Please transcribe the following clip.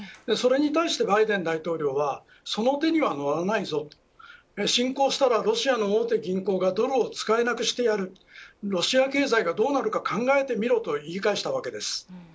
それだけバイデン大統領はその手にはのらないぞ侵攻したらロシアの大手銀行がドルを使えなくしてやるロシア経済がどうなるか考えてみろという言い返したわけです。